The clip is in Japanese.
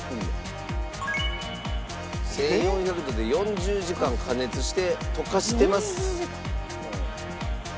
１４００度で４０時間加熱して溶かしてます。